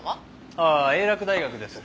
ああ英洛大学です。